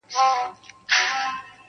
پسرلي به وي شیندلي سره ګلونه-